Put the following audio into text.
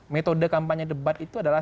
metode kampanye debat itu adalah